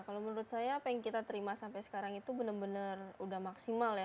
kalau menurut saya apa yang kita terima sampai sekarang itu benar benar udah maksimal ya